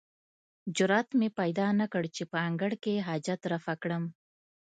جرئت مې پیدا نه کړ چې په انګړ کې حاجت رفع کړم.